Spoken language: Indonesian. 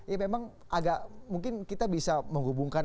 ya memang agak mungkin kita bisa menghubungkan